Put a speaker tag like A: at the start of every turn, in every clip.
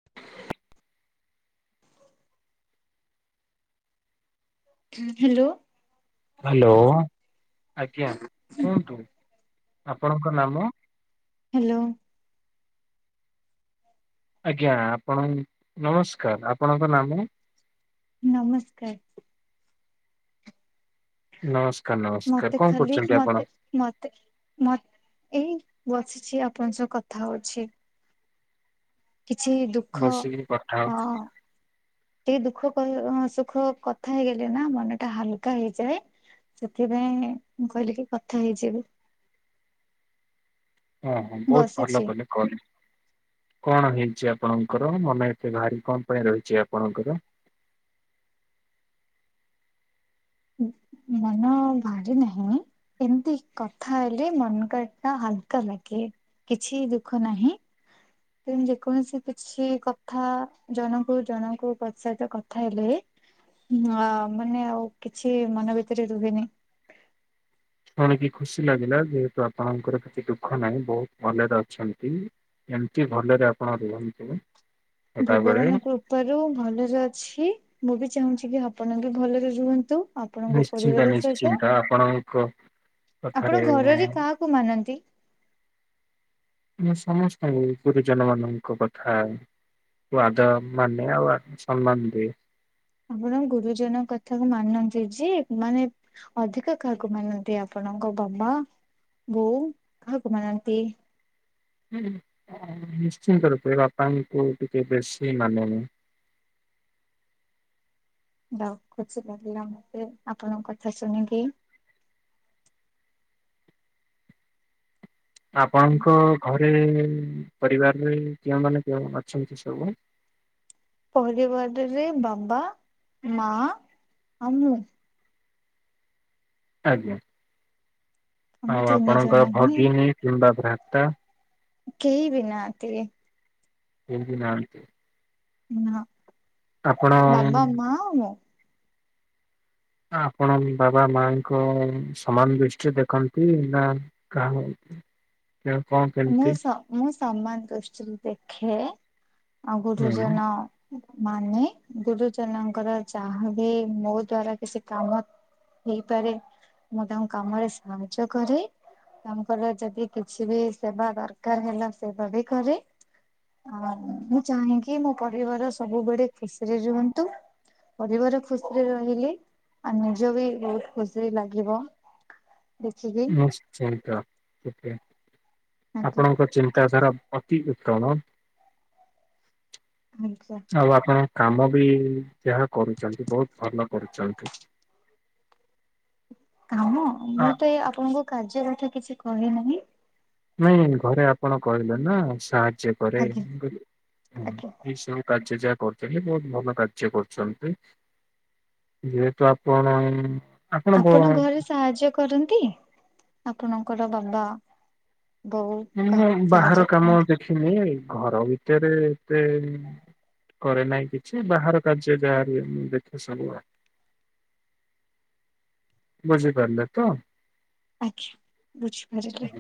A: [inaudible] Hello.
B: Hello ଆଜ୍ଞା କୁହନ୍ତୁ ଆପଣଙ୍କ ନାମ।
A: ହ୍ୟାଲୋ।
B: ଆଜ୍ଞା ଆପଣ ନମସ୍କାର ଆପଣଙ୍କ ନାମ।
A: ନମସ୍କାର।
B: ନମସ୍କାର
A: ମତେ
B: ନମସ୍କାର କଣ
A: ଖାଲି
B: କରୁଛନ୍ତି ଆପଣ।
A: ମତେ ମତେ ଏଇ ବସିଛି ଆପଣଙ୍କ ସହ କଥା ହଉଛି। କିଛି ଦୁଃଖ
B: ବସିକି କଥା ହଉ
A: ହଁ। ଟିକେ ଦୁଃଖ ସୁଖ କଥା ହେଇଗଲେ ନା ମନଟା ହାଲକା ହେଇଯାଏ। ସେଥିପାଇଁ ମୁଁ କହିଲିକି କଥା ହେଇଯିବି।
B: ହଁ ହଁ ବହୁତ ଭଲ
A: ବସିଛି।
B: କଲେ। କଣ କଣ ହେଇଛି ଆପଣଙ୍କର ମନ ଏତେ ଭାରି କଣ ପାଇଁ ରହିଛି ଆପଣଙ୍କର?
A: ମନ ଭାରି ନାହିଁ। ଏମିତି କଥା ହେଲେ ମନ [unintelligible] ହାଲକା ଲାଗେ। କିଛି ଦୁଃଖ ନାହିଁ। ଯେକୌଣସି କିଛି କଥା ଜଣଙ୍କୁ ଜଣଙ୍କୁ ପ୍ରୋତ୍ସାହିତ କଥା ହେଲେ। ହଁ ମାନେ ଆଉ କିଛି ମନ ଭିତରେ ରୁହେନି।
B: ଶୁଣିକି ଖୁସି ଲାଗିଲା ଯେହେତୁ ଆପଣଙ୍କର କିଛି ଦୁଃଖ ନାହିଁ ବହୁତ ଭଲରେ ଅଛନ୍ତି। ଏମିତି ଭଲରେ ଆପଣ ରୁହନ୍ତୁ। ସଦାବେଳେ
A: ଭଗବାନକୁ। କୃପାରୁ ଭଲରେ ଅଛି ମୁଁ ବି ଚାହୁଁଛି କି ଆପଣ ବି ଭଲରେ ରୁହନ୍ତୁ। ଆପଣଙ୍କ
B: ନିଶ୍ଚିନ୍ତ
A: ପରିବାର ସହିତ।
B: ନିଶ୍ଚିନ୍ତ ଆପଣଙ୍କ କଥାରେ
A: ଆପଣ ଘରରେ କାହାକୁ ମାନନ୍ତି?
B: ମୁଁ ସମସ୍ତଙ୍କୁ ଗୁରୁଜନ ମାନଙ୍କ କଥା। ୱାଦା ମାନେ ଆଉ ସନମାନ ଦିଏ।
A: ଆପଣ ଗୁରୁଜନଙ୍କ କଥା କୁ ମାନନ୍ତି ଯେ ମାନେ ଅଧିକା କାହାକୁ ମାନନ୍ତି ଆପଣଙ୍କ ବାବା ବୋଉ କାହାକୁ ମାନନ୍ତି।
B: ନିଶ୍ଚିନ୍ତ ରୂପେ ବାପାଙ୍କୁ ଟିକେ ବେଶୀ ମାନେ।
A: ଦାଉ ଖୁସି ଲାଗିଲା ମତେ ଆପଣଙ୍କ କଥା ଶୁଣିକି।
B: ଆପଣଙ୍କ ଘରେ ପରିବାରରେ କେଉଁମାନେ [unintelligible] ଅଛନ୍ତି ସବୁ?
A: ପରିବାରରେ ବାବା, ମା ଆଉ ମୁଁ।
B: ଆଜ୍ଞା,
A: ଆମେ
B: ଆଉ
A: ତିନି ଜଣ
B: ଆପଣଙ୍କର
A: ହିଁ
B: ଭଗିନୀ କିମ୍ବା ଭ୍ରାତା।
A: କେହି ବି ନାହାତି।
B: କେହି ନାହାନ୍ତି।
A: ନାଁ
B: ଆପଣ
A: ବାବା, ମା ଆଉ ମୁଁ।
B: ଆପଣ ବି ବାବା ମାଙ୍କୁ ସମାନ ଦୃଷ୍ଟିରେ ଦେଖନ୍ତି ନା କାହା ସିଏ କଣ
A: ମୁଁ
B: କେମିତି
A: ସ ମୁଁ ସମାନ ଦୃଷ୍ଟିରୁ ଦେଖେ ଆଉ
B: ହୁଁ
A: ଗୁରୁଜନ। ମାନେ ଗୁରୁଜନଙ୍କର ଯାହାବି ମୋ ଦ୍ଵାରା କିଛି କାମ। ହେଇପାରେ ମୁଁ ତାଙ୍କୁ କାମରେ ସାହାଯ୍ୟ କରେ। ତାଙ୍କର ଯଦି କିଛି ବି ସେବା ଦରକାର ହେଲା ସେବା ବି କରେ। ହଁ ମୁଁ ଚାହେଁକି ମୋ ପରିବାର ସବୁବେଳେ ଖୁସିରେ ରୁହନ୍ତୁ। ପରିବାର ଖୁସିରେ ରହିଲି ଆ ନିଜ ବି ବହୁତ ଖୁସି ଲାଗିବ। ଦେଖିକି
B: ନିଶ୍ଚିତ
A: ଆଜ୍ଞା
B: ଆପଣଙ୍କ ଚିନ୍ତାଧାରା ଅତି ଉତ୍ତମ।
A: ଆଜ୍ଞା।
B: ଆଉ ଆପଣଙ୍ କାମ ବି ଯାହା କରୁଚନ୍ତି ବହୁତ ଭଲ କରୁଛନ୍ତି।
A: କାମ
B: ଆ
A: ମୁଁ ତ ଏ ଆପଣଙ୍କୁ କାର୍ଯ୍ୟ କଥା କିଛି କହି ନାହିଁ।
B: ନାଇଁ ଘରେ ଆପଣ କହିଲେ ନା ସାହାଯ୍ୟ କରେ
A: ଆଜ୍ଞା ଆଜ୍ଞା।
B: ଏ ସବୁ। କାର୍ଯ୍ୟ ଯାହା କରୁଥିଲେ ବହୁତ ଭଲ କାର୍ଯ୍ୟ କରୁଚନ୍ତି। ଯେହେତୁ ଆପଣ
A: ଆପଣ ଘରେ ସାହାଯ୍ୟ କରନ୍ତି ଆପଣଙ୍କର ବାବା। ବୋଉ କାହାକୁ ସାହାଯ୍ୟ କର
B: କେଜାଣି ଘର ଭିତରେ ଏତେ କରେ ନାହିଁ କିଛି ବାହାର କାର୍ଯ୍ୟ ଯାହାବି ଦେଖେ ସବୁ ଆଉ ବୁଝି ପାରିଲେତ।
A: ଆଜ୍ଞା ବୁଝିପାରିଲି।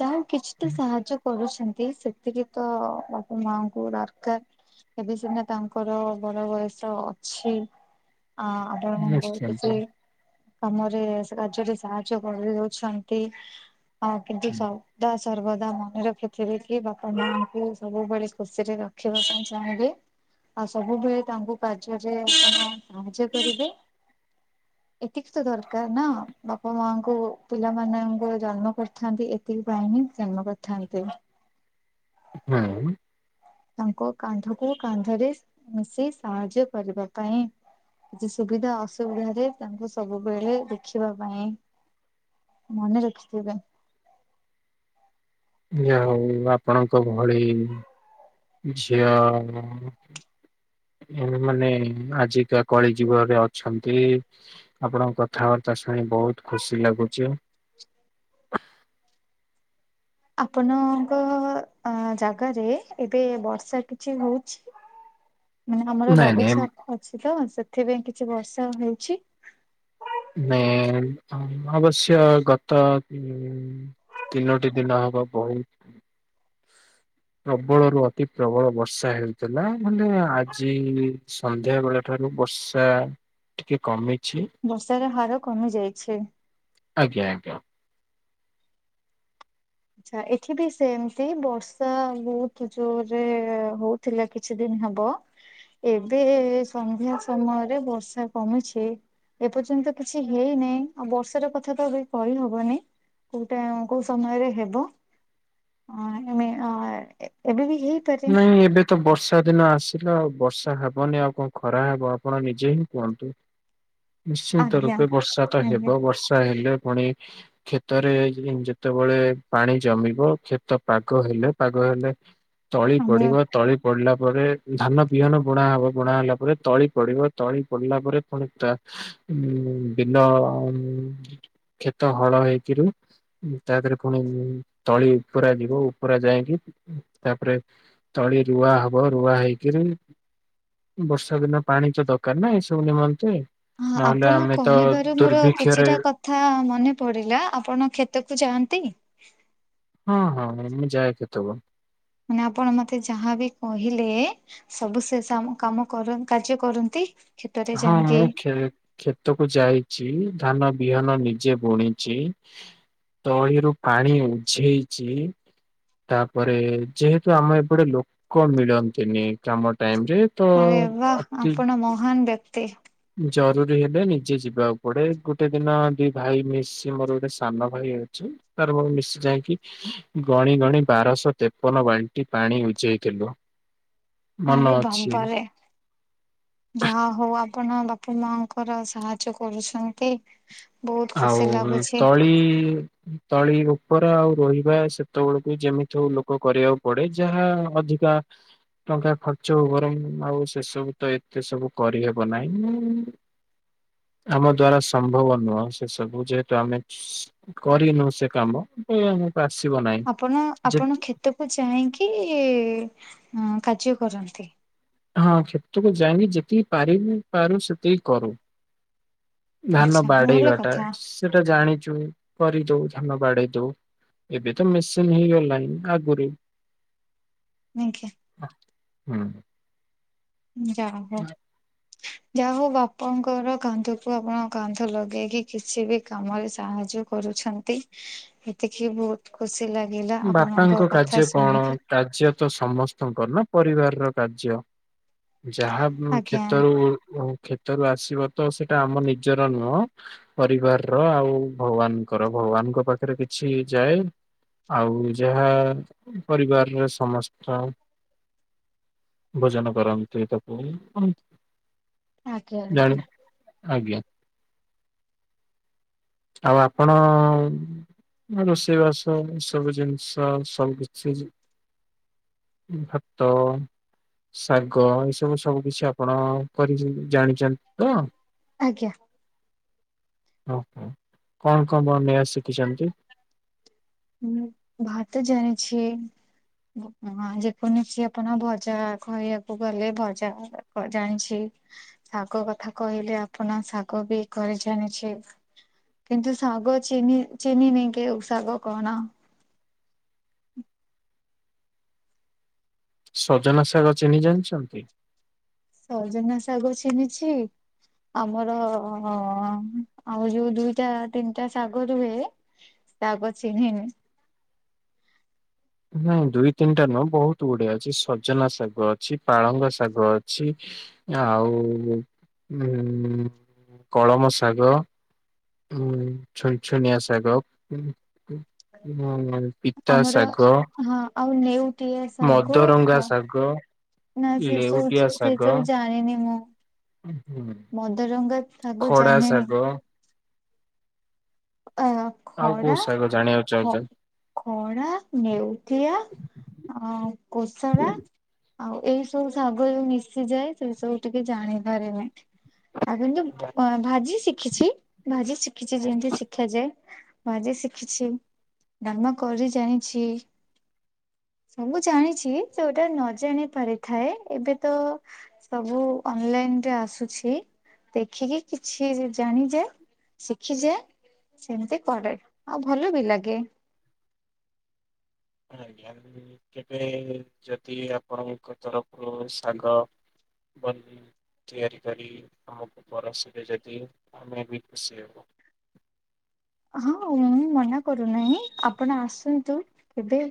A: ଯାହା କିଛି ତ ସାହାଯ୍ୟ କରୁଛନ୍ତି ସେତିକି ତ ବାପା ମାଙ୍କୁ ଦରକାର। ଏବେ ସିନା ତାଙ୍କର ବଳ ବୟସ ଅଛି ଆ ତାଙ୍କୁ
B: ନିଶ୍ଚିନ୍ତ
A: କିଛି କାମରେ କାର୍ଯ୍ୟରେ ସାହାଯ୍ୟ କରିଦଉଛନ୍ତି। ହଁ କିନ୍ତୁ ସବୁ ସଦାସର୍ବଦା ମନେ ରଖିଥିବେ କି ବାପା ମାଙ୍କୁ ସବୁବେଳେ ଖୁସିରେ ରଖିବା ପାଇଁ ଚାହିଁବେ। ଆଉ ସବୁବେଳେ ତାଙ୍କୁ କାର୍ଯ୍ୟରେ ଆପଣ ସାହାଯ୍ୟ କରିବେ। ଏତିକି ତ ଦରକାର ନା ବାପା ମାଙ୍କୁ ପିଲାମାନଙ୍କୁ ଜନ୍ମ କରି ଥାନ୍ତି ଏତିକିପାଇଁ ହିଁ ଜନ୍ମ କରିଥାନ୍ତି।
B: ହୁଁ।
A: ତାଙ୍କ କାନ୍ଧକୁ କାନ୍ଧରେ ମିଶି ସାହାଯ୍ୟ କରିବା ପାଇଁ। କିଛି ସୁବିଧା ଅସୁବିଧାରେ ତାଙ୍କୁ ସବୁବେଳେ ଦେଖିବା ପାଇଁ। ମନେ ରଖିଥିବେ।
B: ହଉ ଆପଣଙ୍କ ଭଳି ଝିଅ ଏ ମାନେ ଆଜିକା କଳି ଯୁଗରେ ଅଛନ୍ତି। ଆପଣଙ୍କ କଥାବାର୍ତ୍ତା ଶୁଣି ବହୁତ ଖୁସି ଲାଗୁଛି।
A: ଆପଣଙ୍କ ଅ ଜାଗାରେ ଏବେ ବର୍ଷା କିଛି ହଉଛି? ମାନେ ଆମର
B: ନାଇଁ ନାଇଁ
A: ଲଘୁଚାପ ଅଛି ତ ସେଥିପାଇଁ କିଛି ବର୍ଷା ହେଉଛି।
B: ନାଇଁ ଅବଶ୍ୟ ଗତ ଉଁ ତିନୋଟି ଦିନ ହବ ବହୁ ପ୍ରବଳରୁୁ ଅତି ପ୍ରବଳ ବର୍ଷା ହେଉଥିଲା ମାନେ ଆଜି ସନ୍ଧ୍ୟା ବେଳ ଠାରୁ ବର୍ଷା ଟିକେ କମିଛି।
A: ବର୍ଷାର ହାର କମି ଯାଇଛି।
B: ଆଜ୍ଞା।
A: ଆଛା ଏଠି ବି ସେମତି ବର୍ଷା ବହୁତ ଜୋରରେ ହଉ ଥିଲା କିଛି ଦିନ ହବ। ଏବେ ସନ୍ଧ୍ୟା ସମୟରେ ବର୍ଷା କମୁଛି। ଏପର୍ଯ୍ୟନ୍ତ କିଛି ହେଇନେଇ ଆଉ ବର୍ଷାର କଥା ତ ଏବେ କହିହବନି? କୋଉଟା କୋଉ ସମୟରେ ହେବ ଏମ ଏବେ ବି ହେଇ
B: ନାଇଁ ଏବେ ତ ବର୍ଷା ଦିନ ଆସିଲା ଆଉ ବର୍ଷା ହବନି ଆଉ କଣ ଖରା ହବ ଆପଣ ନିଜେ ହିଁ କୁହନ୍ତୁ? ନିଶ୍ଚିନ୍ତ
A: ଆଜ୍ଞା
B: ରୂପେ ବର୍ଷା ତ
A: ଆଜ୍ଞା
B: ହେବ ବର୍ଷା ହେଲେ ପୁଣି କ୍ଷେତରେ ଯେତେବେଳେ ପାଣି ଜମିବ କ୍ଷେତ ପାଗ ହେଲେ ପାଗ ହେଲେ। ତଳି
A: ଆମର
B: ପଡିବ। ତଳି ପଡିଲା ପରେ ଧାନ ବିହନ ବୁଣା ହବ ବୁଣା ହେଲା ପରେ ତଳି ପଡିବ ତଳି ପଡିଲା ପରେ ଣ ଉ ଦିନ କ୍ଷେତ ହଳ ହେଇକରୁ। ତାପରେ ପୁଣି ତଳି ଉପରା ଯିବ ଉପରା ଯାଇକି ତାପରେ ତଳି ରୁଆ ହବ ରୁଆ ହେଇକିରି ବର୍ଷା ଦିନ ପାଣି ତ ଦରକାର ନା ଏ ସବୁ ନିମନ୍ତେ।
A: ହଁ
B: ନହେଲେ ଆମେ ତ ଦୁର୍ଭିକ୍ଷରେ
A: ଥା ମନେ ପଡିଲା ଆପଣ କ୍ଷେତକୁ ଯାଆନ୍ତି?
B: ହଁ ହଁ ମୁଁ ଯାଏ କ୍ଷେତ କୁ।
A: ମାନେ ଆପଣ ମତେ ଯାହାବି କହିଲେ ସବୁ ସେ ସବୁ କାମ କର କାର୍ଯ୍ୟ କରନ୍ତି? କ୍ଷେତରେ
B: ହଁ
A: ଯାଇକି
B: ମୁଁ ଖେଳେ। କ୍ଷେତକୁ ଯାଇଚି ଧାନ ବିହନ ନିଜେ ବୁଣିଚି। ତଳିରୁୁ ପାଣି ଉଝେଇଚି। ତାପରେ ଯେହେତୁ ଆମ ଏପଟେ ଲୋକ ମିଳନ୍ତିନି କାମ ଟାଇମ ରେ ତ
A: ଆରେ ବା
B: ଅତି
A: ଆପଣ ମହାନ ବ୍ୟକ୍ତି।
B: ଜରୁରୀ ହେଲେ ନିଜେ ଯିବାକୁ ପଡେ ଗୋଟେ ଦିନ ଦି ଭାଇ ମିଶି ମୋର ଗୋଟେ ସାନ ଭାଇ ଅଛି। ତାର ମୋର ମିଶି ଯାଇକି ଗଣି ଗଣି ବାରଶହ ତେପନ ବାଲଟି ପାଣି ଉଝେଇଥିଲୁ।
A: ଆରେ ବାବା ରେ। ଯାହା ହଉ ଆପଣ ବାପା ମାଙ୍କର ସାହାଯ୍ୟ କରୁଛନ୍ତି। ବହୁତ ଖୁସି
B: ଆଉ
A: ଲାଗୁଛି
B: ତଳି ତଳି ଉପର ଆଉ ରୋଇବା ସେତେବେଳକୁ ଯେମିତିଉ ଲୋକ କରିବାକୁ ପଡେ ଯାହା ଅଧିକା ଟଙ୍କା ଖର୍ଚ୍ଚ ହଉ ବରଂ ଆଉ ସେସବୁ ତ ଏତେ ସବୁ କରିହେବ ନାହିଁ। ଆମ ଦ୍ଵାରା ସମ୍ଭବ ନୁହଁ। ସେ ସବୁ ଯେହେତୁ ଆମେ ସ କରିନୁ ସେ କାମ ତ ଆସିବ ନାଇଁ।
A: ଆପଣ ଆପଣ କ୍ଷେତକୁ ଯାଇକି ଏ କାର୍ଯ୍ୟ କରନ୍ତି।
B: ହଁ କ୍ଷେତକୁ ଯାଇନି ଯେତିକି ପାରିବୁ ପାରୁ ସେତିକି କରୁ। ଧାନ
A: ଆଚ୍ଛା ଭଲ
B: ବାଡେଇବାଟା
A: କଥା
B: ସେଟା ଜାଣିଚୁ କରିଦଉ ଧାନ ବାଡେଇ ଦଉ। ଏବେ ତ ମେସିନ୍ ହେଇଗଲାଇ ଆଗୁରି
A: ଆଜ୍ଞା।
B: ହୁଁ।
A: ଯା ହଉ। ଯାହା ହଉ ବାପାଙ୍କର କାନ୍ଧକୁ ଆପଣ କାନ୍ଧ ଲଗେଇକି କିଛି ବି କାମରେ ସାହାଯ୍ୟ କରୁଛ ନ୍ତି। ଏତିକି ବହୁତ ଖୁସି ଲାଗିଲା ଆପଣଙ୍କ
B: ବାପାଙ୍କ କାର୍ଯ୍ୟ
A: କଥା
B: କଣ
A: ଶୁଣିକି।
B: କାର୍ଯ୍ୟ ତ ସମସ୍ତଙ୍କର ନା ପରିବାର ର କାର୍ଯ୍ୟ। ଯାହା
A: ଆଜ୍ଞା।
B: କ୍ଷେତରୁ କ୍ଷେତରୁ ଆସିବ ତ ସେଇଟା ଆମ ନିଜର ନୁହଁ। ପରିବାର ର ଆଉ ଭଗବାନଙ୍କର। ଭଗବାନଙ୍କ ପାଖରେ କିଛି ଯାଏ। ଆଉ ଯାହା ପରିବାରରେ ସମସ୍ତ ଭୋଜନ କରନ୍ତି ଏକ ପାଳି ହଁ
A: ଆଜ୍ଞା ଆଜ୍ଞା।
B: ଜାଣି ଆଜ୍ଞା। ଆଉ ଆପଣ ର ରୋଷେଇ ବାସ ସବୁ ଜିନିଷ ସବୁ କିଛି ଭାତ। ଶାଗ ଏସବୁ ସବୁ କିଛି ଆପଣ କରି ଜାଣିଚନ୍ତି ତ?
A: ଆଜ୍ଞା।।
B: ଓହୋ। କଣ କଣ ବନେଇବା ଶିଖିଚନ୍ତି?
A: ମୁଁ ଭାତ ଜାଣିଛି। ମୁଁ ହଁ ଯେକୌଣସି ଆପଣ ଭଜା କହିବାକୁ ଗଲେ ଭଜା ଜାଣିଛି। ଶାଗ କଥା କହିଲେ ଆପଣ ଶାଗ ବି କରି ଜାଣିଛି? କିନ୍ତୁ ଶାଗ ଚିହିଁନି ଚିହିଁନି ନେଇକି କୋଉ ଶାଗ କଣ?
B: ସଜନା ଶାଗ ଚିହ୍ନି ଜାଣିଛନ୍ତି?
A: ସଜନା ଶାଗ ଚିହ୍ନିଛି। ଆମର ଆଉ ଯୋଉ ଦୁଇଟା ତିନିଟା ଶାଗ ରୁହେ। ତାକୁ ଚିହ୍ନିନି।
B: ନାଇଁ ଦୁଇ ତିନିଟା ନୁହଁ ବହୁତ ଗୁଡେ ଅଛି ସଜନା ଶାଗ ଅଛି ପାଳଙ୍ଗ ଶାଗ ଅଛି ଆଉ ଉ-କଳମ ଶାଗ ଉଁ ଛନଛନିଆ ଶାଗ ଉଁ ପିତା
A: ଆମର
B: ଶାଗ
A: ହଁ ଆଉ ନେଉଟିଆ ଶାଗ
B: ମଦରଙ୍ଗା
A: ଖ
B: ଶାଗ
A: ନା ସେ ସବୁ
B: ଲେଉଟିଆ
A: ଯା-ସେ
B: ଶାଗ
A: ସବୁ ଜାଣିନି ମୁଁ ମଦରଙ୍ଗା ଶାଗ
B: ଖଡ଼ା
A: ଜାଣିନି
B: ଶାଗ।
A: ଆ
B: ଆଉ
A: ଖଡା
B: କୋଉ ଶାଗ ଜାଣିବାକୁ
A: ଖ
B: ଚାହିଁଛ?
A: ଖଡା ନେଉଟିଆ ଆଉ କୋଷଳା ଆଉ ଏଇ ସବୁ ଶାଗ ଯୋଉ ମିଶିଯାଏ ସେ ସବୁ ଟିକେ ଜାଣିପାରେ ନାହିଁ। ଆଗୁରୁ ଯୋଉ ଫ-ଭାଜି ଶିଖିଛି ଭାଜି ଶିଖିଛି ଯେମିତି ଶି ଦେଖେ ଯାଏ ଭାଜି ଶିଖିଛି ଡ଼ାଲମା କରି ଜାଣିଛି। ସବୁ ଜାଣିଛି ଯୋଉଟା ନ ଜାଣି ପାରିଥାଏ ଏବେ ତ ସବୁ ଅନଲାଇନ ରେ ଆସୁଛି ଦେଖିକି କିଛି ଜାଣିଯାଏ। ଶିଖିଯାଏ। ସେମିତି କରେ ଆଉ ଭଲ ବି ଲାଗେ।
B: ଆଜ୍ଞା କେବେ ଯଦି ଆପଣଙ୍କ ତରଫରୁ ଶାଗ [unintelligible] ତିଆରି କରି ଆମକୁ ପରସିବେ ଯଦି ଆମେ ବି ଖୁସି ହେବୁ?
A: ହଁ ମୁଁ ମନା କରୁନାହିଁ ଆପଣ ଆସନ୍ତୁ କେବେ?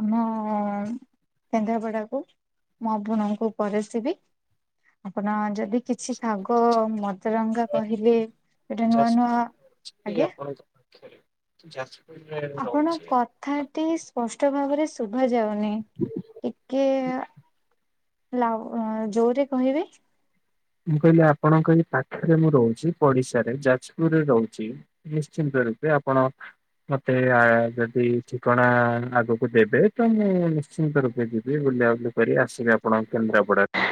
A: ଆମ କେନ୍ଦ୍ରାପଡାକୁ। ମୁଁ ଆପଣଙ୍କୁ ପରସିବି ଆପଣ ଯଦି କିଛି ଶାଗ ମଦରଙ୍ଗା କହିଲେ ସେଟା ନୂଆ ନୂଆ,
B: ଯାଜପୁରରେ
A: ଆଜ୍ଞା
B: ଆପଣଙ୍କ ପାଖରେ ଯ
A: ଆପଣ କଥାଟି ସ୍ପଷ୍ଟ ଭାବରେ ଶୁଭା ଯାଉନି ଟିକେ ଲାଗୁ ଯୋରେ କହିବେ?
B: ମୁଁ କହିଲି ଆପଣଙ୍କ ଏଇ ପାଖରେ ମୁଁ ରହୁଛି ପଡିଶାରେ ଯାଜପୁରରେ ରହୁଛି। ନିଶ୍ଚିନ୍ତ ରୂପେ ଆପଣ ମତେ ଯଦି ଠିକଣା ଆଗକୁ ଦେବେ ତ ମୁଁ ନିଶ୍ଚିତ୍ ରୂପେ ଯିବି ବୁଲାବୁଲି କରି ଆସିବେ ଆପଣଙ୍କ କେନ୍ଦ୍ରାପଡାରେ?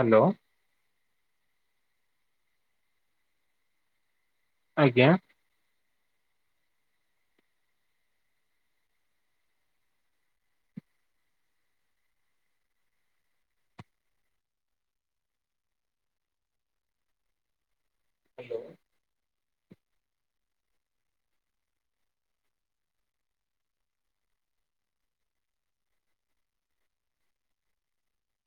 B: ହ୍ୟାଲୋ। ଆଜ୍ଞା। ହ୍ୟାଲୋ।